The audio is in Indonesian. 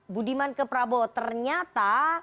budiman ke prabowo ternyata